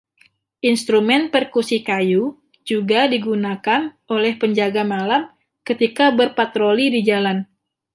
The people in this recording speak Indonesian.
Instrumen perkusi kayu juga digunakan oleh penjaga malam ketika berpatroli di jalan.